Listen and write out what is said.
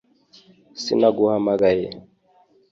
sinaguhamagaye